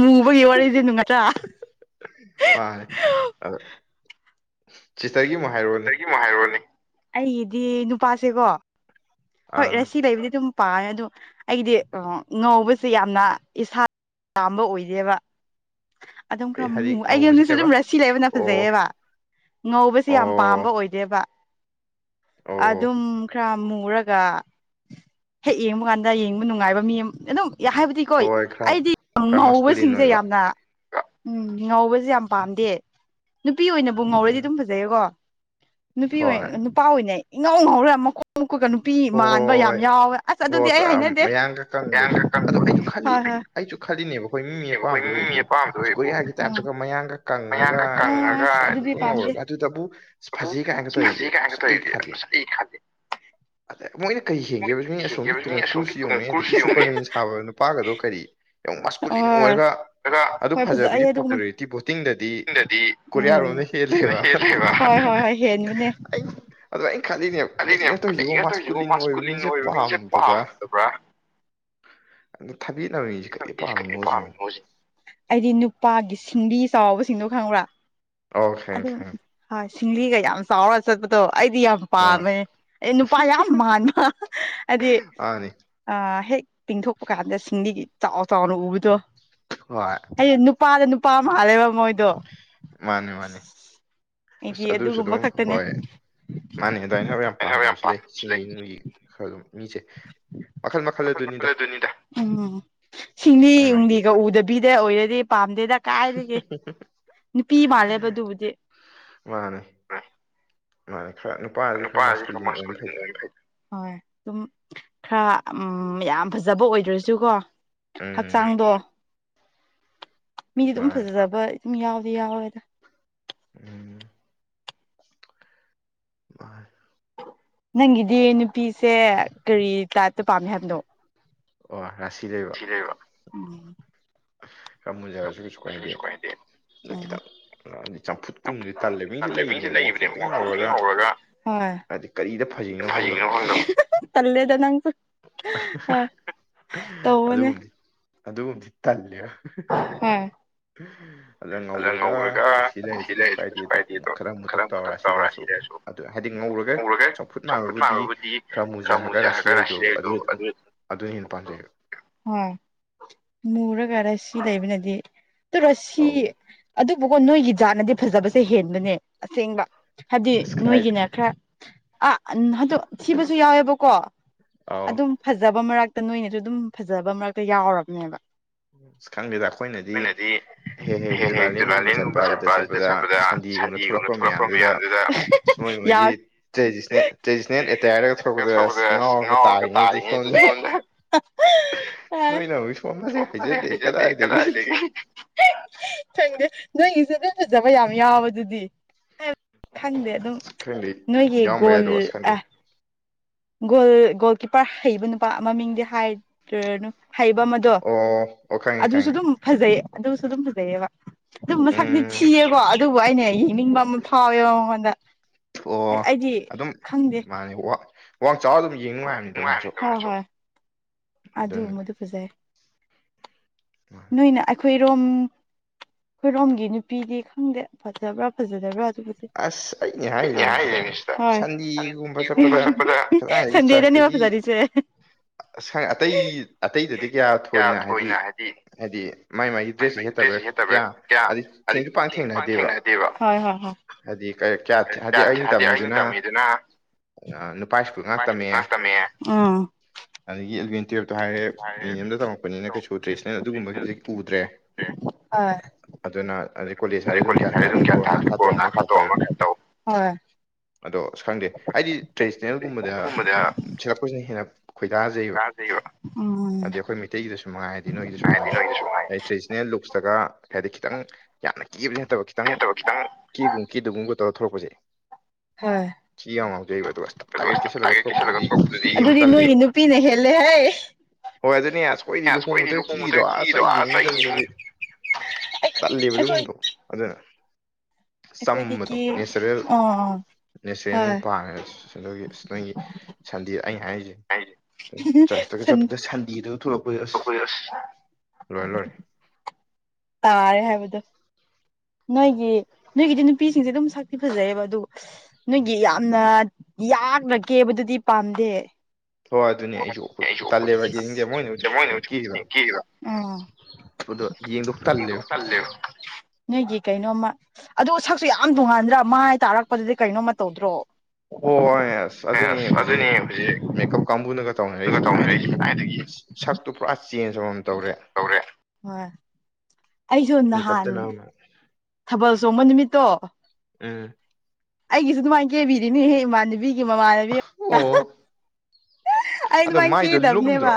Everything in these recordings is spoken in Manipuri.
ꯃꯨꯕꯒꯤ ꯋꯥꯔꯤꯁꯦ ꯅꯨꯡꯉꯇ꯭ꯔ ꯃꯥ ꯑ ꯁꯤꯁꯇꯔꯒꯤ ꯑꯃꯨꯛ ꯍꯥꯏꯔꯣꯅꯦ ꯑꯩꯒꯤꯃꯣꯛ ꯍꯏꯔꯣꯅꯦ ꯑꯩꯒꯤꯗꯤ ꯅꯨꯄꯥꯁꯦꯀꯣ ꯍꯣꯏ ꯔꯁꯤ ꯂꯩꯕꯗꯤ ꯑꯗꯨꯝ ꯄꯥꯏ ꯑꯗꯣ ꯑꯩꯗꯤ ꯉꯧꯕꯁꯦ ꯌꯥꯝꯅ ꯏꯁꯥ ꯄꯥꯝꯕ ꯑꯣꯏꯗꯦꯕ ꯑꯗꯨꯝ ꯈꯔꯨ ꯃꯨ ꯑꯩꯒꯤꯑꯗꯨꯁꯨ ꯑꯗꯨꯝ ꯔꯁꯤ ꯂꯩꯕꯅ ꯐꯖꯩꯑꯕ ꯉꯧꯕꯁꯤ ꯌꯥꯝ ꯄꯥꯝꯕ ꯑꯣꯏꯗꯦꯕ ꯑꯗꯨꯝ ꯈꯔ ꯃꯨꯔꯒ ꯍꯦꯛ ꯌꯦꯡꯕ ꯀꯥꯟꯗ ꯌꯦꯡꯕ ꯅꯨꯡꯉꯥꯏꯕ ꯃꯤ [unintelligible] ꯍꯥꯏꯕꯗꯤ ꯀꯩ ꯑꯩꯗꯤ ꯉꯧꯕꯁꯤꯡꯁꯦ ꯌꯥꯝꯅ ꯎꯝ ꯉꯧꯕꯁꯦ ꯌꯥꯝ ꯄꯥꯝꯗꯦ ꯅꯨꯄꯤ ꯑꯣꯏꯅꯕꯨ ꯉꯧꯔꯗꯤ ꯑꯗꯨꯝ ꯐꯖꯩꯌꯦꯀꯣ ꯅꯨꯄꯤ ꯑꯣꯏ ꯅꯨꯄꯥ ꯑꯣꯏꯅ ꯏꯉꯥꯎ ꯉꯍꯧꯔ ꯃꯥ ꯑꯃꯨꯀꯨꯀ ꯅꯨꯄꯤ ꯃꯥꯟꯕ ꯌꯥꯝ ꯌꯥꯎꯋꯦ ꯑꯁ ꯑꯗꯨꯗꯤ ꯑꯩ ꯍꯥꯏꯅꯗꯦ [unintelligible] ꯍꯣꯏ ꯍꯣꯏ ꯑꯩꯁꯨ ꯈꯜꯂꯤꯅꯦꯕ ꯑꯩꯈꯣꯏ ꯃꯤ ꯃꯤ ꯑꯄꯥꯝꯕꯗ ꯑꯣꯏꯕꯕꯨ ꯁꯨꯀꯣꯌꯥꯒꯤ ꯇꯥꯏꯞꯇꯒ ꯃꯌꯥꯡꯒ ꯀꯪꯉꯒ ꯑꯗꯒꯤ ꯁꯣꯛ ꯁꯣꯛꯄ ꯉꯧꯔꯒ ꯑꯗꯨꯗꯕꯨ ꯐꯖꯩ ꯀꯥꯏꯅꯒ ꯇꯧꯏꯖꯦ ꯑꯁ ꯑꯩ ꯈꯜꯂꯤ ꯑꯗ ꯃꯣꯏꯅ ꯀꯩ ꯍꯦꯟꯒꯦꯕ ꯃꯤ ꯑꯁꯣꯝꯒꯤ ꯇꯣꯝꯀ꯭ꯔꯨꯁꯨ ꯌꯦꯡꯉꯨꯅꯦ ꯑꯗꯒꯤ ꯁꯨꯄꯔꯃꯦꯟ ꯁꯥꯕ ꯅꯨꯄꯥꯒꯗꯣ ꯀꯔꯤ ꯌꯥꯝ ꯃꯁꯀꯨꯂꯤꯟ ꯑꯣꯏꯔꯒ ꯑꯗꯨ ꯐꯖꯕꯒꯤ ꯄꯣꯄꯨꯂꯔꯤ ꯇꯤ ꯕꯣꯇꯤꯡꯗꯗꯤ ꯀꯣꯔꯤꯌꯥꯔꯣꯝꯅ ꯍꯦꯜꯂꯦꯕ ꯑꯗꯣ ꯑꯩꯅ ꯈꯜꯂꯤꯅꯦꯕ ꯈꯜꯂꯤꯅꯦꯕ ꯀꯔꯤꯅꯣ ꯇꯧꯔꯤꯁꯤꯕꯣ ꯃꯥꯁꯀꯨꯂꯤꯟ ꯑꯣꯏꯕ ꯃꯤꯖꯦ ꯄꯥꯝꯗꯕ꯭ꯔꯥ ꯑꯗ ꯊꯕꯦꯠꯅꯕ ꯃꯤꯖꯦ ꯀꯔꯤꯗ ꯄꯥꯝꯃꯤꯅꯣ ꯁꯤꯅꯤ ꯑꯩꯗꯤ ꯅꯨꯄꯥꯒꯤ ꯁꯤꯡꯂꯤ ꯆꯥꯎꯕꯁꯤꯡꯗꯣ ꯈꯪꯕ꯭ꯔꯥ ꯑꯗꯨꯝ ꯍꯣꯏ ꯁꯤꯡꯂꯤꯒ ꯌꯥꯝ ꯆꯥꯎꯔꯒ ꯆꯠꯄꯗꯣ ꯑꯩꯗꯤ ꯌꯥꯝ ꯄꯥꯝꯃꯦ ꯑꯦ ꯅꯨꯄꯥ ꯌꯥꯝ ꯃꯥꯟꯕ ꯍꯥꯏꯗꯤ ꯑ ꯍꯦꯛ ꯇꯤꯡꯊꯣꯛꯄ ꯀꯥꯟꯗ ꯁꯤꯡꯂꯤꯒꯤ ꯆꯥꯎ ꯆꯥꯎꯅ ꯎꯕꯗꯣ ꯍꯣꯏ ꯑꯩ ꯅꯨꯄꯥꯗ ꯅꯨꯄꯥ ꯑꯃ ꯃꯥꯜꯂꯦꯕ ꯃꯣꯏꯗꯣ ꯃꯥꯅꯤ ꯃꯥꯅꯤ ꯑꯁ ꯑꯗꯨꯁꯨ ꯑꯗꯨꯝ ꯍꯣꯏ ꯃꯥꯅꯦ ꯑꯗꯥꯏꯅ ꯍꯥꯏꯕ ꯌꯥꯝ ꯄꯥꯝꯅꯕꯁꯨ ꯂꯩ ꯁꯤꯡꯂꯤ ꯅꯨꯡꯂꯤ ꯈꯔꯗꯨꯝ ꯃꯤꯁꯦ ꯃꯈꯜ ꯃꯈꯜ ꯑꯗꯨꯅꯤꯗ ꯁꯤꯡꯂꯤ ꯎꯡꯂꯤꯒꯣ ꯄꯤꯗꯥ ꯑꯣꯏꯔꯗꯤ ꯄꯥꯝꯗꯦꯗ ꯀꯥꯏꯗꯒꯤ ꯅꯨꯄꯤ ꯃꯥꯜꯂꯦꯕ ꯗꯨꯕꯨꯗꯤ ꯃꯥꯅꯤ ꯃꯥꯅꯤ ꯈꯔ ꯅꯨ ꯅꯨꯄꯥꯗꯤ ꯁꯨꯝ ꯃꯥꯁꯀꯨꯂꯤꯟ ꯑꯣꯏꯕꯅ ꯐꯩꯗꯥ ꯍꯣꯏ ꯗꯨꯝ ꯈꯔ ꯎꯝ ꯌꯥꯝ ꯐꯖꯕ ꯑꯣꯏꯗ꯭ꯔꯁꯨ ꯀꯣ ꯍꯛꯆꯥꯡꯗꯣ ꯃꯤꯗꯤ ꯗꯨꯝ ꯐꯖꯕ ꯗꯨꯝ ꯌꯥꯎꯗꯤ ꯌꯥꯎꯋꯦꯗ ꯎꯝ ꯃꯥꯅꯤ ꯅꯪꯒꯤꯗꯤ ꯅꯨꯄꯤꯁꯦ ꯀꯔꯤ ꯖꯥꯠꯇ ꯄꯥꯝꯃꯦ ꯍꯥꯏꯕꯅꯣ ꯁꯤꯂꯩꯕ ꯎꯝ ꯈꯔ ꯃꯨꯖꯔꯁꯨ ꯀꯩꯁꯨ ꯗꯨꯁꯨ ꯀꯩꯁꯨ ꯀꯥꯏꯗꯦ ꯎꯝ [unintelligible] ꯃꯤꯁꯤ ꯂꯩꯕꯅꯦꯕ ꯉꯧꯊꯔꯣꯛꯇꯤ ꯉꯧꯔꯒ ꯐꯖꯐꯝ ꯈꯪꯗꯕ ꯇꯜꯂꯦꯗ ꯅꯪꯁꯨ ꯑ ꯇꯧꯕꯅꯦ ꯑꯗꯨꯒꯨꯝꯕꯗꯤ ꯇꯜꯂꯦꯕ ꯍꯣꯏ ꯑꯗ ꯉꯧꯔꯒ ꯔꯥꯁꯤ ꯂꯩꯔꯁꯨ ꯀꯩꯁꯨ ꯀꯥꯏꯗꯦ ꯑꯗꯣ ꯈꯔ ꯃꯨꯇꯛ ꯇꯧꯔ ꯔꯥꯁꯤ ꯂꯩꯔꯁꯨ ꯑꯗꯨ ꯍꯥꯏꯗꯤ ꯉꯧꯔꯒ ꯆꯝꯐꯨꯠ ꯃꯥꯟꯕꯕꯨꯗꯤ ꯈꯔ ꯃꯨꯖꯔꯒ ꯔꯥꯁꯤꯂꯩꯕꯗꯣ ꯑꯗꯨ ꯑꯗꯨꯅ ꯍꯦꯟꯅ ꯄꯥꯝꯖꯩꯌꯦꯕ ꯍꯣꯏ ꯃꯨꯔꯒ ꯔꯥꯁꯤ ꯂꯩꯕꯅꯗꯤ ꯑꯗꯣ ꯔꯁꯤ ꯑꯗꯨꯕꯨꯀꯣ ꯅꯣꯏꯒꯤ ꯖꯥꯠꯅꯗꯤ ꯐꯖꯕꯁꯦ ꯍꯦꯟꯕꯅꯦ ꯑꯁꯦꯡꯕ ꯍꯥꯏꯕꯗꯤ ꯅꯣꯏꯒꯤꯅ ꯈꯔ ꯑ ꯑꯟ ꯑꯗꯨ ꯊꯤꯕꯁꯨ ꯌꯥꯎꯋꯦꯕꯀꯣ ꯑꯗꯨꯝ ꯐꯖꯕ ꯃꯔꯛꯇ ꯅꯣꯏꯅꯁꯨ ꯑꯗꯨꯝ ꯐꯖꯕ ꯃꯔꯛꯇ ꯌꯥꯎꯔꯕꯅꯦꯕ ꯑꯁ ꯈꯪꯗꯦꯗ ꯑꯈꯣꯏꯅꯗꯤ ꯍꯦꯛ ꯍꯦꯛ ꯖꯨꯂꯥꯂꯦꯟꯒꯨꯝꯕ ꯆꯠꯄ ꯑꯗꯨꯗ ꯆꯠꯄꯗ ꯁꯟꯗꯦꯒꯨꯝꯕꯗ ꯊꯣꯛꯂꯛꯄ ꯃꯌꯥꯝꯗꯨꯗ ꯑꯁ ꯃꯣꯏ ꯃꯣꯏꯒꯤ ꯇ꯭ꯔꯦꯗꯤꯁꯅꯦꯜ ꯇ꯭ꯔꯦꯗꯤꯁꯅꯦꯜ ꯑꯦꯇꯥꯌꯔꯗ ꯊꯣꯛꯂꯛꯄꯗ ꯑꯁ ꯉꯥꯎꯔꯒ ꯇꯥꯔꯤꯉꯩꯗ ꯁꯣꯝꯗ ꯅꯣꯏꯅꯕꯨꯗꯤ ꯁꯣꯝ ꯐꯖꯩ ꯍꯥꯏꯖꯜꯂꯛꯑꯦ ꯀꯗꯥꯏ ꯀꯗꯥꯏꯗꯒꯤ ꯈꯪꯗꯦ ꯅꯣꯏꯒꯤꯁꯨ ꯑꯗꯨꯝ ꯐꯖꯕ ꯌꯥꯝ ꯌꯥꯎꯕꯗꯨꯗꯤ ꯈꯪꯗꯦ ꯑꯗꯨꯝ ꯅꯣꯏꯒꯤ ꯒꯣꯜ ꯑꯦ ꯒꯣꯜ ꯒꯣꯜ ꯀꯤꯞꯄꯔ ꯍꯩꯕ ꯅꯨꯄꯥ ꯃꯃꯤꯡꯗꯤ ꯍꯥꯏꯗ꯭ꯔꯅꯨ ꯍꯩꯕ ꯑꯃ ꯑꯗꯣ ꯑꯗꯨꯁꯨ ꯑꯗꯨꯝ ꯐꯖꯩ ꯑꯗꯨꯁꯨ ꯑꯗꯨꯝ ꯐꯖꯩꯌꯦꯕ ꯑꯗꯨꯝ ꯃꯁꯛꯇꯤ ꯊꯤꯌꯦꯀꯣ ꯑꯗꯨꯕꯨ ꯑꯩꯅ ꯌꯦꯡꯅꯤꯡꯕ ꯑꯃ ꯐꯥꯎꯋꯦꯕ ꯃꯉꯣꯟꯗ ꯑꯣ ꯑꯗꯨꯝ ꯃꯥꯅꯦ ꯋꯥꯡ ꯆꯥꯎꯔ ꯑꯗꯨꯝ ꯌꯦꯡ ꯅꯨꯡꯉꯥꯏꯕꯅꯦ ꯍꯣꯏ ꯍꯣꯏ ꯑꯗꯨꯒꯨꯝꯕꯗꯨ ꯐꯖꯩ ꯅꯣꯏꯅ ꯑꯩꯈꯣꯏꯔꯣꯝ ꯑꯩꯈꯣꯏꯔꯣꯝꯒꯤ ꯅꯨꯄꯤꯗꯤ ꯈꯪꯗꯦ ꯐꯖꯕ꯭ꯔꯥ ꯐꯖꯗꯕ꯭ꯔꯥ ꯑꯗꯨꯕꯨ ꯍꯣꯏ ꯁꯟꯗꯦꯗꯅꯤ ꯐꯖꯔꯤ [unintelligible] ꯑꯇꯩ ꯑꯇꯩꯗꯗꯤ ꯀꯌꯥ ꯊꯣꯏꯅ ꯍꯥꯏꯗꯤ ꯍꯥꯏꯗꯤ ꯃꯥꯏ ꯃꯥꯥꯏꯒꯤ ꯗ꯭ꯔꯦꯁꯁꯦ ꯁꯦꯠꯇꯕꯩꯔ ꯀꯌꯥ ꯑꯗꯩ ꯊꯦꯡꯁꯨ ꯄꯥꯛ ꯊꯦꯡꯅꯗꯦꯕ ꯍꯣꯏ ꯍꯣꯏ ꯍꯥꯏꯗꯤ ꯀꯌꯥ ꯍꯥꯏꯗꯤ ꯑꯩꯅ ꯇꯝꯃꯤꯗꯨꯅ ꯑꯥ ꯅꯨꯄꯥ ꯁ꯭ꯀꯨꯜ ꯉꯥꯛ ꯇꯝꯅꯤꯡꯉꯦ ꯑꯗꯒꯤ ꯑꯦꯂꯕꯦꯟ ꯇꯨꯋꯦꯜꯞꯇꯣ ꯍꯥꯏꯔꯦ ꯃꯤꯅꯤꯌꯝꯗ ꯇꯝꯃꯛꯄꯅꯤꯅ ꯀꯩꯁꯨ ꯇ꯭ꯔꯦꯗꯤꯁꯅꯦꯜ ꯑꯗꯨꯒꯨꯝꯕꯒꯤꯗꯤ ꯎꯗ꯭ꯔꯦ ꯑꯥ ꯑꯗꯨꯅ ꯑꯗꯩꯩ ꯀꯣꯂꯦꯖ ꯍꯥꯏꯔꯦ ꯑꯗꯨꯝ ꯒ꯭ꯌꯥꯟ ꯇꯥꯗ꯭ꯔꯦ ꯀꯣꯔꯣꯅꯥ ꯈꯔ ꯇꯧ ꯑꯃ ꯈꯔ ꯇꯧ ꯑꯗꯣ ꯑꯁ ꯈꯪꯗꯦ ꯑꯩꯗꯤ ꯇ꯭ꯔꯦꯗꯤꯁꯅꯦꯜꯒꯨꯝꯕꯗ ꯁꯦꯠꯂꯛꯄꯁꯤꯅ ꯍꯦꯟꯅ ꯈꯣꯏꯗꯖꯩꯌꯦꯕ ꯑꯗꯩꯩ ꯑꯩꯈꯣꯏ ꯃꯩꯇꯩꯒꯤꯗꯁꯨ ꯃꯉꯥꯏ ꯅꯣꯏꯒꯤꯗꯁꯨ ꯃꯉꯥꯏ ꯇ꯭ꯔꯦ ꯅꯦꯜ ꯂꯨꯛꯁꯇꯒ ꯍꯥꯏꯗꯤ ꯈꯤꯇꯪ ꯌꯥꯝꯅ ꯀꯦꯕꯗꯤ ꯅꯠꯇꯕ ꯅꯠꯇꯕ ꯈꯤꯇꯪ ꯀꯦꯒꯨꯝ ꯀꯦꯗꯒꯨꯝ ꯇꯧꯔ ꯊꯣꯛꯂꯛꯄꯁꯦ ꯍꯣꯏ ꯊꯤ ꯌꯥꯝ ꯉꯥꯎꯖꯩꯌꯦꯕ ꯑꯗꯨ ꯇꯞ ꯇꯒꯩ ꯀꯦꯁꯤꯜꯂꯒ ꯊꯣꯛꯂꯛꯄꯗꯨꯗꯤ ꯌꯦꯡꯕ ꯇꯜꯂꯦꯕ ꯍꯣꯏ ꯑꯗꯨꯅꯦ ꯑꯁ ꯈꯣꯏꯒꯤ ꯂꯨꯍꯣꯡꯕꯗ ꯀꯦꯔꯤꯗꯣ ꯑꯁ ꯑꯩ ꯌꯦꯡꯅꯤꯡꯇꯕꯁꯤꯗꯤ ꯇꯠꯂꯦꯕ ꯑꯗꯨꯒꯨꯝꯕꯗꯣ ꯑꯗꯨꯅ ꯆꯝꯕꯗꯣ ꯅꯦꯆꯔꯦꯜ ꯅꯦꯆꯔꯦꯜ ꯍꯦꯟꯅ ꯄꯥꯝꯃꯦꯕ ꯑꯗꯒꯤ ꯅꯣꯏꯒꯤ ꯁꯟꯗꯦ ꯑꯩꯅ ꯍꯥꯏꯁꯤ ꯆꯔꯁꯇꯒ ꯆꯠꯄꯗ ꯁꯟꯗꯦꯗꯨ ꯊꯣꯛꯂꯛꯄꯖꯦ ꯑꯁ ꯂꯣꯏꯔꯦ ꯂꯣꯏꯔꯦ ꯇꯥꯔꯦ ꯍꯥꯏꯕꯗꯣ ꯅꯣꯏꯒꯤ ꯅꯣꯏꯒꯤꯗꯤ ꯅꯨꯄꯤꯁꯤꯡꯁꯦ ꯑꯗꯨꯝ ꯁꯛꯇꯤ ꯐꯖꯩꯌꯦꯕ ꯑꯗꯨ ꯅꯣꯏꯒꯤ ꯌꯥꯝꯅ ꯌꯥꯛꯅ ꯀꯦꯕꯗꯨꯗꯤ ꯄꯥꯝꯗꯦ ꯍꯣꯏ ꯑꯗꯨꯅꯦ ꯑꯩꯁꯨ ꯇꯜꯂꯦꯕ ꯌꯦꯡꯅꯤꯡꯗꯦ ꯃꯣꯏꯅ ꯐꯖꯩꯌꯦꯅ ꯀꯦꯔꯤꯕ ꯑꯗꯨ ꯌꯦꯡꯗꯧ ꯇꯜꯂꯦꯕ ꯅꯣꯏꯒꯤ ꯀꯩꯅꯣꯝꯃ ꯑꯗꯣ ꯁꯛꯁꯨ ꯌꯥꯝ ꯇꯣꯡꯉꯥꯟꯗ꯭ꯔꯥ ꯃꯥꯏ ꯇꯥꯔꯛꯄꯗꯗꯤ ꯀꯩꯅꯣꯝꯃ ꯇꯧꯗ꯭ꯔꯣ ꯍꯣꯏ ꯑꯁ ꯑꯗꯨꯅꯤ ꯍꯧꯖꯤꯛ ꯃꯦꯀꯞ ꯀꯥꯡꯕꯨꯅꯒ ꯇꯧꯅꯔꯛꯏꯁꯦ ꯀꯗꯥꯏꯗꯒꯤ ꯁꯛꯇꯨ ꯄꯨꯔꯥ ꯆꯦꯟꯖ ꯑꯃꯃꯝ ꯇꯧꯔꯦ ꯑꯩꯖꯨ ꯅꯍꯥꯟ ꯊꯥꯕꯜ ꯆꯣꯡꯕ ꯅꯨꯃꯤꯠꯇꯣ ꯎꯝ ꯑꯩꯒꯤꯁꯨ ꯑꯗꯨꯃꯥꯏꯅ ꯀꯦꯕꯤꯔꯤꯅꯤꯍꯦ ꯏꯃꯥꯟꯅꯕꯤꯒꯤ ꯃꯃꯥꯟꯅꯕꯤ ꯑꯣ ꯑꯗꯣ ꯃꯥꯏꯗꯣ ꯂꯨꯝꯗ꯭ꯔꯣ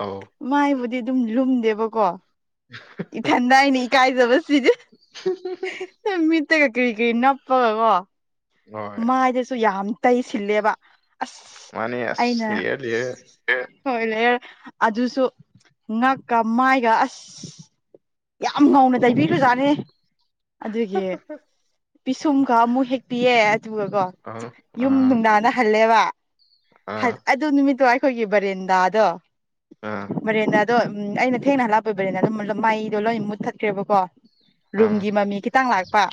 ꯑꯧ ꯃꯥꯏꯕꯨꯗꯤ ꯑꯗꯨꯝ ꯂꯨꯝꯗꯦꯕꯀꯣ [inaudible] ꯏꯊꯟꯗ ꯑꯩꯅ ꯏꯀꯥꯏꯖꯕ ꯁꯤꯗꯤ ꯃꯤꯠꯇꯒ ꯀꯔꯤ ꯀꯔꯤ ꯅꯞꯄꯒ ꯀꯣ ꯃꯥꯏꯗꯁꯨ ꯌꯥꯝ ꯇꯩꯁꯤꯜꯂꯦꯕ ꯑꯁ ꯑꯩꯅ [unintelligible] ꯑꯗꯨꯁꯨ ꯉꯛꯀ ꯃꯥꯏꯒ ꯑꯁ ꯌꯥꯝ ꯉꯧꯅ ꯇꯩꯕꯤꯈ꯭ꯔꯖꯥꯅꯦ ꯑꯗꯨꯒꯤ ꯄꯤꯁꯨꯝꯒ ꯑꯃꯨꯛ ꯍꯦꯛꯄꯤꯌꯦ ꯑꯗꯨꯒꯀꯣ ꯌꯨꯝ ꯅꯨꯡꯗꯥꯡꯗ ꯍꯜꯂꯦꯕ ꯍꯠ ꯑꯗꯨ ꯅꯨꯃꯤꯠꯇꯣ ꯑꯩꯈꯣꯏꯒꯤ ꯕꯔꯦꯟꯗꯥꯗꯣ ꯕꯔꯦꯟꯗꯥ ꯑꯗꯣ ꯑꯩꯅ ꯊꯦꯡꯅ ꯍꯥꯂꯛꯄꯒꯤ ꯕ‌ꯦꯔꯟꯗꯥꯗ‌ꯣ ꯑꯗꯨꯝ ꯃꯩꯗꯣ ꯂꯣꯏ ꯃꯨꯠꯊꯠꯈ꯭ꯔꯦꯕꯀꯣ ꯔꯨꯝꯒꯤ ꯃꯃꯤ ꯈꯤꯇꯪ ꯂꯥꯛꯄ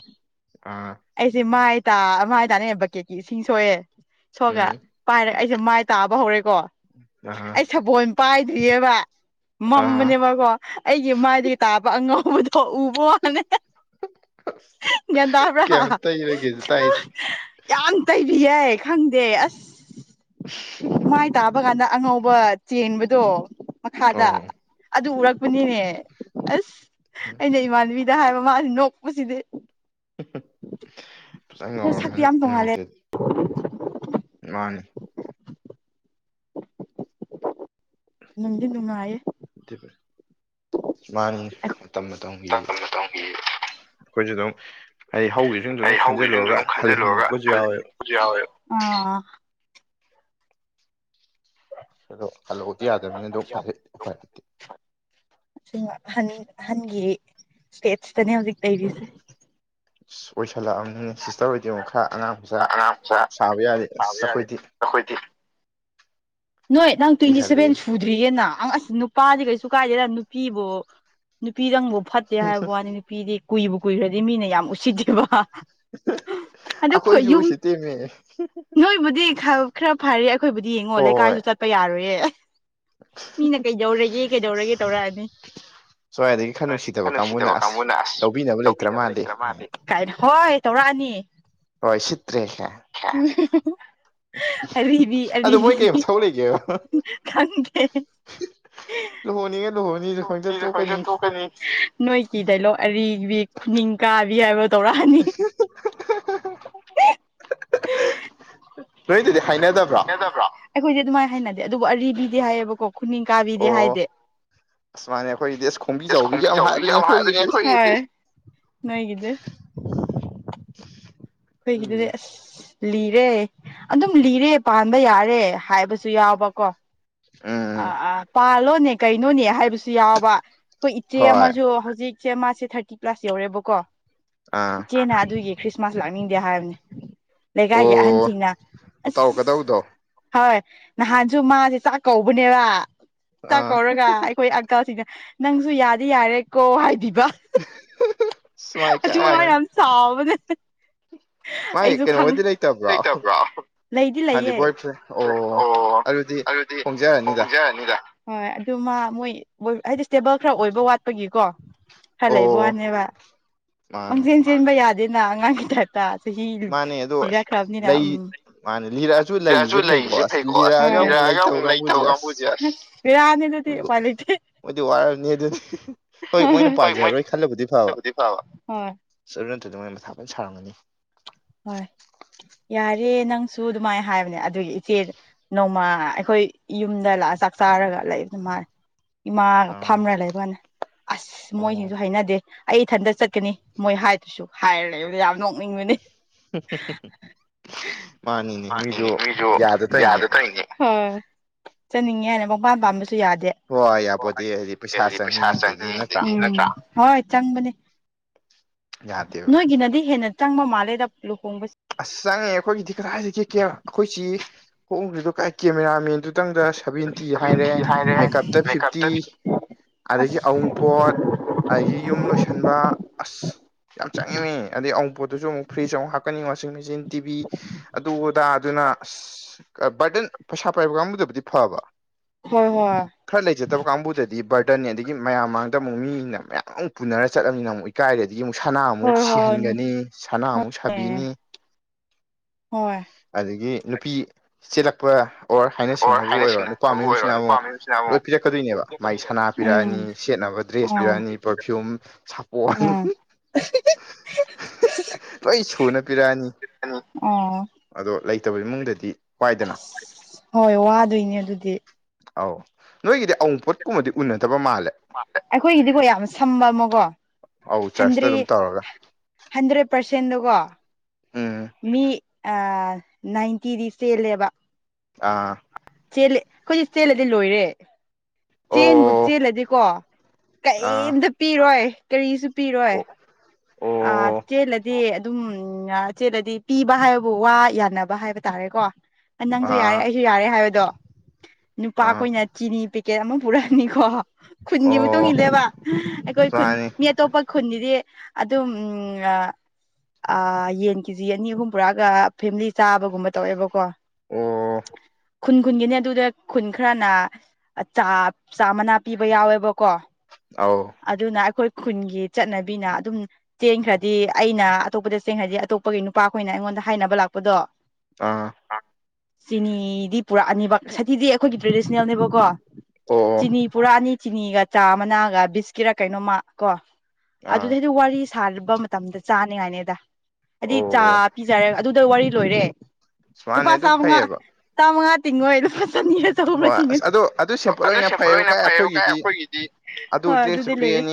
ꯑꯩꯁꯦ ꯃꯥꯏ ꯇꯥ ꯃꯥꯏ ꯇꯥꯅꯤꯡꯉꯥꯏ ꯕꯛꯀꯦꯠꯀꯤ ꯏꯁꯤꯡ ꯁꯣꯛꯑꯦ ꯁꯣꯛꯑꯒ ꯑꯩꯁꯦ ꯃꯥꯏ ꯇꯥꯕ ꯍꯧꯔꯦꯀꯣ ꯑꯩ ꯁꯕꯣꯜ ꯄꯥꯏꯗ꯭ꯔꯤꯌꯦꯕ ꯃꯝꯕꯅꯦꯕꯀꯣ ꯑꯩꯒꯤ ꯃꯥꯏꯗꯒꯤ ꯇꯥꯕ ꯑꯉꯧꯕꯗꯣ ꯎꯕ ꯋꯥꯅꯦ ꯒꯤꯌꯥꯟ ꯇꯥꯕ‍꯭ꯔ ꯍꯥ ꯌꯥꯝ ꯇꯩꯕꯤꯌꯦ ꯈꯪꯗꯦ ꯑꯁ ꯁꯥ ꯍꯝ ꯃꯥꯏ ꯇꯥꯕ ꯀꯥꯟꯗ ꯑꯉꯧꯕ ꯆꯦꯟꯕꯗꯣ ꯃꯈꯥꯗ ꯑꯗꯨ ꯎꯔꯛ ꯄꯨꯅꯤꯅꯦ ꯑꯁ ꯑꯩꯅ ꯏꯃꯥꯟꯅꯕꯤꯗ ꯍꯥꯏꯕ ꯃꯥꯁꯦ ꯅꯣꯛꯄꯁꯤꯗꯤ ꯐꯖ ꯉꯧꯔꯝꯃꯅꯤ ꯅꯨꯃꯤꯠꯇꯨꯗꯤ [inaudible] ꯃꯥꯟꯅꯤ ꯅꯨꯡꯗꯤ ꯅꯨꯡꯉꯥꯏꯌꯦ [unintelligible] ꯃꯥꯟꯅꯤ ꯃꯇꯝ ꯃꯇꯝꯒꯤ ꯑꯩꯈꯣꯏꯁꯨ ꯑꯗꯨꯝ ꯍꯥꯏꯗꯤ ꯍꯧꯈꯤꯕꯁꯤꯡꯗꯨ ꯑꯗꯨꯝ ꯈꯟꯖꯤꯜꯂꯨꯔꯒ ꯍꯜꯍꯟꯅꯤꯡꯉꯛꯄꯁꯨ ꯌꯥꯎꯋꯦꯕ ꯑꯩꯖꯨ ꯌꯥꯎꯋꯦ ꯑꯣ ꯑꯗꯣ ꯍꯜꯂꯑꯣꯗꯤ ꯌꯥꯗꯕꯅꯤ ꯑꯗꯣ [unintelligible] ꯎꯄꯥꯏ ꯂꯩꯇꯦ ꯑꯍꯟ ꯑꯍꯟꯒꯤ ꯏꯁꯇꯦꯠꯇꯅꯦ ꯍꯧꯖꯤꯛ ꯂꯩꯔꯤꯁꯦ ꯑꯣꯏꯁꯜꯂꯛꯑꯕꯅꯤ ꯁꯤꯁꯇꯔ ꯑꯣꯏꯗꯤ ꯈꯔ ꯑꯉꯥꯡ ꯃꯆꯥꯥ ꯁꯥꯕ ꯌꯥꯔꯤ ꯑꯁ ꯑꯩꯈꯣꯏꯗꯤ ꯑꯩꯈꯣꯏꯗꯤ ꯅꯣꯏ ꯅꯪ ꯇ꯭ꯋꯦꯟꯇꯤ ꯁꯚꯦꯟ ꯁꯨ ꯭ꯔꯤꯒꯦꯅ ꯑꯁ ꯅꯨꯄꯥꯗꯤ ꯀꯩꯁꯨ ꯀꯥꯏꯗꯦꯗ ꯅꯨꯄꯤꯕꯨ ꯅꯨꯄꯤꯗꯪꯕꯨ ꯐꯠꯇꯦ ꯍꯥꯏꯕ ꯋꯥꯅꯤ ꯅꯨꯄꯤꯗꯤ ꯀꯨꯏꯕ ꯀꯨꯏꯈ꯭ꯔꯗꯤ ꯃꯤꯅ ꯌꯥꯝ ꯎꯁꯤꯠꯇ‌ꯦꯕ ꯑꯩꯈꯣꯏꯁꯨ ꯎꯁꯤꯠꯇꯦꯃꯤ ꯅꯣꯏꯕꯨꯗꯤ ꯈꯔ ꯈꯔ ꯐꯔꯦ ꯑꯩꯈꯣꯏꯕꯨꯗꯤ ꯌꯦꯡꯉꯣ ꯂꯩ ꯆꯠꯄ ꯌꯥꯔꯣꯏꯌꯦ ꯃꯤꯅ ꯀꯩꯗꯧꯔꯒꯦ ꯀꯩꯗꯧꯔꯒꯦ ꯇꯧꯔꯛꯑꯅꯤ [unintelligible] ꯅꯨꯡꯁꯤꯗꯕ ꯀꯥꯡꯕꯨꯅ ꯑꯁ ꯂꯧꯕꯤꯅꯕ ꯂꯩꯇ꯭ꯔꯥ ꯃꯥꯜꯂꯤ ꯀꯥꯏꯅ ꯍꯣꯏ ꯇꯧꯔꯛꯑꯅꯤ ꯍꯣꯏ ꯁꯤꯠꯇ꯭ꯔ‌ꯦ ꯈꯥ ꯍ ꯍ ꯍꯥ ꯑꯔꯤꯕꯤ ꯑꯔꯤꯕꯤ ꯊꯧꯂꯩꯒ‌ꯦꯕ ꯈꯪꯗꯦ ꯍꯥ ꯂꯨꯍꯣꯅꯤꯉꯥ ꯂꯣꯍꯣꯡꯅꯤ [unintelligible] ꯅꯣꯏꯒꯤ ꯗꯥꯏꯂꯣꯛ ꯑꯔꯤꯕꯤ ꯈꯨꯅꯤꯡ ꯀꯥꯕꯤ ꯍꯥꯏꯕ ꯇꯧꯔꯛꯑꯅꯤ ꯍꯥ ꯍꯥ ꯍꯥ ꯍꯥ ꯍꯥ ꯅꯣꯏꯗꯨꯗꯤ ꯍꯥꯏꯅꯗꯕ꯭ꯔꯥ ꯭ꯍꯥꯏꯅꯗꯕꯔ ꯑꯩꯈꯣꯏꯗꯤ ꯑꯗꯨꯃꯥꯏꯅ ꯍꯥꯏꯅꯗꯦ ꯑꯗꯨꯕꯨ ꯑꯔꯤꯕꯤꯗꯤ ꯍꯥꯏꯌꯦꯕꯀꯣ ꯈꯨꯅꯤꯡ ꯀꯥꯕꯤꯗꯤ ꯍꯥꯏꯗꯦ ꯑꯁꯃꯅꯦ ꯑꯩꯈꯣꯏꯗꯤ ꯑꯁ ꯈꯣꯝꯕꯤ ꯆꯥꯎꯕꯤꯒꯤ ꯌꯥꯝ ꯍꯥꯏꯕꯅꯦ ꯑꯩꯈꯣꯏ ꯅꯣꯏꯒꯤꯗꯤ ꯑꯩꯈꯣꯏꯒꯤꯗꯨꯗꯤ ꯑꯁ ꯂꯤꯔꯦ ꯑꯗꯨꯝ ꯂꯤꯔꯦ ꯄꯥꯟꯕ ꯌꯥꯔꯦ ꯍꯥꯏꯕꯁꯨ ꯁꯨ ꯌꯥꯎꯕ ꯀꯣ ꯑꯥ ꯑꯥ ꯄꯥꯜꯂꯣꯅꯦ ꯀꯩꯅꯣꯅꯦ ꯍꯥꯏꯕꯁꯨ ꯌꯥꯎꯕ ꯑꯩꯈꯣꯏ ꯏꯆꯦ ꯑꯃꯁꯨ ꯍꯧꯖꯤꯛ ꯏꯦ ꯃꯥꯁꯦ ꯊꯥꯔꯇꯤ ꯄ꯭ꯂꯥꯁ ꯌꯧꯔꯦꯕꯀꯣ ꯏꯆꯦꯅ ꯑꯗꯨꯒꯤ ꯈ꯭ꯔꯤꯁꯃꯥꯁ ꯂꯥꯛꯅꯤꯡꯗꯦ ꯍꯥꯏꯕꯅꯤ ꯂꯩꯀꯥꯏꯒꯤ ꯑꯍꯟꯁꯤꯡꯅ ꯑꯁ ꯍꯣꯏ ꯅꯍꯥꯟꯁꯨ ꯃꯥꯁꯦ ꯆꯥꯛ ꯀꯧꯕꯅꯦꯕ ꯆꯥꯛ ꯀꯧꯔꯒ ꯑꯩꯈꯣꯏ ꯑꯀꯥꯀꯥꯁꯤꯛꯅ ꯅꯪꯁꯨ ꯌꯥꯗꯤ ꯌꯥꯔꯦꯀꯣ ꯍꯥꯏꯕꯤꯕ ꯑꯗꯨ ꯍꯥꯏ ꯌꯥꯝ ꯁꯧꯕꯅꯦ ꯑꯩꯁꯨ ꯈꯪ ꯂꯩꯇꯔꯕꯣ ꯂꯩꯗꯤ ꯂꯩꯌꯦ ꯑꯣ ꯍꯣꯏ ꯑꯗꯨ ꯃꯥ ꯃꯣꯏ ꯍꯥꯏꯗꯤ ꯏꯁꯇꯦꯕꯜ ꯈꯔ ꯑꯣꯏꯕ ꯋꯥꯠ ꯄꯒꯤꯀꯣ ꯈꯔ ꯂꯩꯕ ꯋꯥꯅꯦꯕ ꯄꯪꯆꯦꯟ ꯆꯦꯟꯕ ꯌꯥꯗꯦꯅ ꯑꯉꯥꯡꯒꯤ ꯇ꯭ꯔꯥꯏꯞ ꯇꯥꯁꯦ ꯆꯍꯤꯗꯨ ꯕꯦꯔꯥ ꯀꯕꯅꯤꯅ ꯎꯝ ꯂꯩꯔꯁꯨ ꯂꯩꯔꯤꯁꯦ ꯐꯩꯀꯣ ꯑꯁ ꯅꯤꯔꯛꯑꯒ ꯑꯃꯨꯛ ꯂꯩꯇꯕ ꯀꯥꯡꯕꯨꯁꯦ ꯑꯁ ꯕꯦꯔꯥ ꯅꯤ ꯑꯗꯨꯗꯤ ꯎꯄꯥꯏꯂꯤꯇꯦ ꯃꯣꯏꯗꯤ ꯋꯥꯔꯕꯅꯤ ꯑꯗꯨꯗꯤ ꯍꯣꯏ ꯃꯣꯏꯅ ꯄꯥꯟꯖꯔꯔꯣꯏ ꯈꯜꯂꯕꯨꯗꯤ ꯐꯕ ꯆꯠ ꯅꯠꯇꯗ ꯃꯣꯏ ꯃꯊꯥ ꯂꯣꯏꯅ ꯁꯥꯔꯝꯒꯅꯤ ꯍꯣꯏ ꯌꯥꯔꯦ ꯅꯪꯁꯨ ꯑꯗꯨꯃꯥꯏꯅ ꯍꯥꯏꯕꯅꯦ ꯑꯗꯨꯒꯤ ꯏꯆꯦ ꯅꯣꯡꯃ ꯑꯩꯈꯣꯏ ꯌꯨꯝꯗ ꯂꯥꯛꯑ ꯆꯥꯛ ꯆꯥꯔꯒ ꯂꯩꯕ ꯃꯥꯟꯂꯦ ꯏꯃꯥ ꯐꯥꯔꯃꯔꯒ ꯂꯩꯕꯅꯦ ꯑꯁ ꯃꯣꯏꯁꯤꯡꯁꯨ ꯍꯩꯅꯗꯦ ꯑꯩ ꯏꯊꯟꯇ ꯆꯠꯀꯅꯤ ꯃꯣꯏ ꯍꯥꯏꯗꯁꯨ ꯍꯥꯏꯔ ꯂꯩꯕ ꯌꯥꯝ ꯅꯣꯛꯅꯤꯡꯕꯅꯤ [unintelligible] ꯄꯥꯟꯅꯤꯛꯅꯤ ꯃꯤꯁꯨ ꯌꯥꯗ ꯇꯧꯏꯅꯦ ꯆꯠꯅꯤꯡꯉꯦ ꯍꯥꯏꯔ ꯃꯄꯥꯗꯥꯝꯁꯨ ꯨ ꯊꯔꯤꯌꯥꯗꯦ ꯍꯣꯏ ꯑꯩ ꯄꯩꯁꯥ ꯆꯪꯉꯤ ꯑꯗꯒꯤ ꯅꯠꯇꯔ ꯍꯣꯏ ꯆꯪꯕꯅꯦ [unintelligible] ꯅꯣꯏꯒꯤꯅꯗꯤ ꯍꯦꯟꯅ ꯆꯪꯕ ꯃꯥꯜꯂꯦꯗ ꯂꯨꯍꯣꯡꯕꯁ ꯑꯁ ꯆꯪꯉꯦ ꯑꯩꯈꯣꯏꯒꯤꯗꯤ ꯀꯗꯥꯏꯗꯒꯤ ꯑꯩꯈꯣꯏꯆꯦ ꯍꯣꯡꯗ꯭ꯔꯤꯗꯣ ꯀꯥꯏ ꯀꯦꯃꯦꯔꯥꯃꯦꯟ ꯑꯗꯨꯇꯪꯗ ꯁꯚꯦꯟꯇꯤ ꯍꯥꯏꯔꯦ ꯃꯦꯀꯞꯇ ꯐꯤꯞꯇꯤ ꯑꯗꯒꯤ ꯑꯎꯪꯄꯣꯠ ꯑꯗꯒꯤ ꯌꯨꯝ ꯂꯣꯏꯁꯟꯕ ꯑꯁ ꯌꯥꯝ ꯆꯪꯉꯦꯃꯦ ꯑꯗꯩ ꯑꯎꯟꯄꯣꯠꯇꯨꯁꯨ ꯑꯃꯨꯛ ꯐ꯭ꯔꯤꯖ ꯑꯃꯨꯛ ꯍꯥꯛꯄ ꯀꯛꯀꯅꯤꯡ ꯋꯥꯁꯤꯡ ꯃꯦꯆꯤꯟ ꯇꯤ ꯚꯤ ꯑꯗꯨ ꯑꯗꯥ ꯑꯗꯨꯅ ꯕꯥꯏꯗꯟ ꯄꯩꯁꯥ ꯄꯥꯏꯕ ꯀꯥꯡꯕꯨꯗꯕꯨꯗꯤ ꯐꯕ ꯍꯣꯏ ꯍꯣꯏ ꯈꯔ ꯂꯩꯖꯗꯕ ꯀꯥꯡꯕꯨꯗꯗꯤ ꯕꯔꯗꯟꯟꯅꯦ ꯑꯗꯒꯤ ꯃꯌꯥꯝ ꯃꯥꯡꯗ ꯑꯃꯨꯛ ꯃꯤꯅ ꯃꯌꯥꯝ ꯑꯃꯨꯛ ꯄꯨꯅꯔ ꯆꯠꯂꯅꯤꯅ ꯑꯃꯨꯛ ꯏꯀꯥꯏꯔꯦ ꯑꯗꯒꯤ ꯑꯃꯨꯛ ꯁꯅꯥ ꯑꯃꯨꯛ ꯁꯤꯍꯟꯒꯅꯤ ꯁꯅꯥ ꯑꯃꯨꯛ ꯁꯥꯕꯤꯅꯤ ꯍꯣꯏ ꯑꯗꯒꯤ ꯅꯨꯄꯤ ꯆꯦꯜꯂꯛꯄ ꯑꯣꯔ ꯍꯥꯏꯅ ꯁꯤꯡꯅꯕꯕꯨ ꯑꯣꯏꯔꯣ ꯅꯨꯄꯥ ꯃꯌꯨꯝꯁꯤꯅ ꯑꯃꯨꯛ ꯂꯣꯏ ꯄꯤꯔꯛꯀꯗꯣꯏꯅꯦꯕ ꯃꯥꯏ ꯁꯅꯥ ꯄꯤꯔꯛꯑꯅꯤ ꯁꯦꯠꯅꯕ ꯗ꯭ꯔꯦꯁ ꯄꯤꯔꯛꯑꯅꯤ ꯄꯔꯐꯤꯌꯨꯝ ꯁꯥꯄꯣꯟ [unintelligible] ꯂꯣꯏ ꯁꯨꯅ ꯄꯤꯔꯛꯑꯅꯤ ꯑꯗꯣ ꯂꯩꯇꯕ ꯏꯃꯨꯡꯗꯗꯤ ꯍꯣꯏ ꯋꯥꯗꯣꯏꯅꯦ ꯑꯗꯨꯗꯤ ꯑꯥꯎ ꯅꯣꯏꯒꯤꯗꯤ ꯑꯎꯟꯄꯣꯠꯀꯨꯝꯕꯗꯤ ꯎꯅꯗꯕ ꯃꯥꯜꯂꯦ ꯑꯧ ꯆꯔꯁꯇ ꯑꯗꯨꯝ ꯇꯧꯔꯒ ꯍꯟꯗ꯭ꯔꯦꯗ ꯄꯥꯔꯁꯦꯟꯗꯒꯣ ꯃꯤ ꯑ ꯅꯥꯏꯟꯇꯤꯗꯤ ꯆꯦꯜꯂꯦꯕ ꯑꯥ ꯆꯦꯜꯂꯦ ꯑꯩꯈꯣꯏꯗꯤ ꯆꯦꯜꯂꯗꯤ ꯂꯣꯏꯔꯦ ꯆꯦꯟꯕꯨ ꯆꯦꯜꯂꯗꯤꯀꯣ ꯀꯔꯤꯝꯇ ꯄꯤꯔꯣꯏ ꯀꯔꯤꯁꯨ ꯄꯤꯔꯣꯏ ꯑ ꯆꯦꯂꯗꯤ ꯑꯗꯨꯝ ꯑ ꯆꯦꯜꯂꯗꯤ ꯄꯤꯕ ꯍꯥꯏꯕꯕꯨ ꯋꯥ ꯌꯥꯟꯅꯕ ꯍꯥꯏꯕ ꯇꯥꯔꯦꯀꯣ ꯑ ꯅꯪꯁꯨ ꯌꯥꯔꯦ ꯑꯩꯁꯨ ꯌꯥꯔꯦ ꯍꯥꯏꯕꯗꯣ ꯅꯨꯄꯥꯈꯣꯏꯅ ꯆꯤꯅꯤ ꯄꯦꯀꯦꯠ ꯑꯃ ꯄꯨꯔꯛꯑꯅꯤꯀꯣ ꯈꯨꯟꯒꯤ ꯃꯇꯨꯡ ꯏꯜꯂꯦꯕ ꯑꯩꯈꯣꯏ ꯈꯨꯟꯅꯤ ꯃꯤ ꯑꯇꯣꯞꯄ ꯈꯨꯟꯒꯤꯗꯤ ꯑꯗꯨꯝ ꯉꯥ ꯑ ꯌꯦꯟ ꯀꯦꯖꯤ ꯑꯅꯤ ꯑꯍꯨꯝ ꯄꯨꯔꯛꯑꯒ ꯐꯦꯃꯤꯂꯤ ꯆꯥꯕꯒꯨꯝꯕ ꯇꯧꯋꯦꯕꯀꯣ ꯑꯣ ꯈꯨꯟ ꯈꯨꯟꯒꯤꯅꯦ ꯑꯗꯨꯗ ꯈꯨꯟ ꯈꯔꯅ ꯑꯆꯥꯞ ꯆꯥꯅ ꯄꯤꯕ ꯌꯥꯎꯋꯦꯕꯀꯣ ꯑꯧ ꯑꯗꯨꯅ ꯑꯩꯈꯣꯏ ꯈꯨꯟꯒꯤ ꯆꯠꯅꯕꯤꯅ ꯑꯗꯨꯝ ꯆꯦꯟꯈ꯭ꯔꯗꯤ ꯑꯩꯅ ꯑꯇꯣꯞꯄꯗ ꯆꯦꯟꯈ꯭ꯔꯗꯤ ꯑꯇꯣꯞꯄꯒꯤ ꯅꯨꯄꯥꯈꯣꯏꯅ ꯑꯩꯉꯣꯟꯗ ꯍꯥꯏꯅꯕ ꯂꯥꯛꯄꯗꯣ ꯑꯥ ꯆꯤꯅꯤꯗꯤ ꯄꯨꯔꯛꯑꯅꯤꯕ ꯁꯇꯤꯗꯤ ꯑꯩꯈꯣꯏꯒꯤ ꯇ꯭ꯔꯦꯗꯤꯁꯅꯦꯜꯅꯦꯕꯀꯣ ꯆꯤꯅꯤ ꯄꯨꯔꯛꯑꯅꯤ ꯆꯤꯅꯤꯒ ꯆꯥꯃꯅꯥꯒ ꯕꯤꯁ ꯀꯤꯔ ꯀꯩꯅꯣꯝꯃ ꯀꯣ ꯑꯗꯨꯗꯩꯗ ꯋꯥꯔꯤ ꯁꯥꯅꯕ ꯃꯇꯝꯗ ꯆꯥꯅꯤꯡꯉꯥꯏꯅꯤꯗ ꯍꯥꯏꯗꯤ ꯆꯥ ꯄꯤꯖꯔꯒ ꯑꯗꯨ ꯑꯗꯨ ꯋꯥꯔꯤ ꯂꯣꯏꯔꯦ ꯂꯨꯄꯥ ꯆꯥꯃꯉꯥ ꯆꯥꯃꯉꯥ ꯇꯤꯡꯉꯣꯏ ꯂꯨꯄꯥ ꯆꯅꯤ ꯆꯍꯨꯝꯒ ꯇꯤꯡꯉꯅꯤ ꯍꯣ ꯑꯗꯨꯏ ꯁꯦꯝꯄꯜ ꯑꯣꯏꯅ [unintelligible] ꯑꯩꯈꯣꯏꯒꯤꯗꯤ ꯍꯣꯏ ꯑꯗꯨꯗꯤ ꯂꯩꯔꯦ